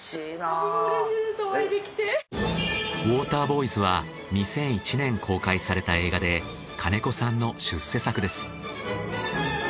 『ウォーターボーイズ』は２００１年公開された映画で金子さんの出世作です。